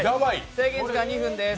制限時間は２分です。